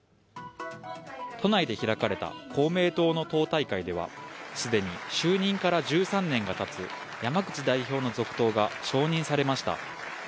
都内で開かれた公明党の党大会では既に就任から１３年がたつ山口代表の続投が承認されました。